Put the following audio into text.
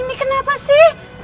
ini kenapa sih